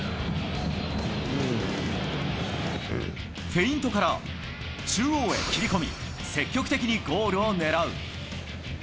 フェイントから中央へ切り込み、積極的にゴールを狙う。